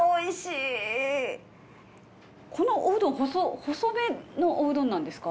このおうどん細めのおうどんなんですか？